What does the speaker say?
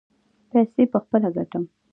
پیسې به پخپله ګټم.